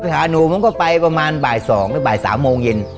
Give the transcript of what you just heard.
หาหนูมันก็ไปประมาณบ่ายสองหรือบ่ายสามโมงเย็น